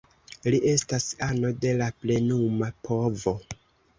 Li estas ano de la plenuma povo.